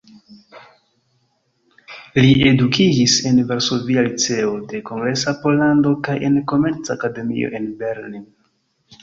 Li edukiĝis en Varsovia Liceo de Kongresa Pollando kaj en Komerca Akademio en Berlin.